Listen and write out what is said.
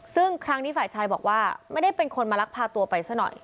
ซึ่งครั้งนี้ฝ่ายชายบอกว่าไม่ได้เป็นคนมาลักพาตัวไปซะหน่อย